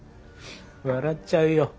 笑っちゃうよ。